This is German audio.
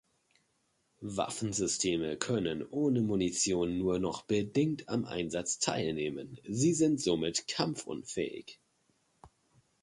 Waffensysteme können ohne Munition nur noch bedingt am Einsatz teilnehmen, sie sind somit kampfunfähig.